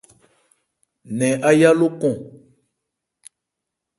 Nɛn áyá lókɔn o.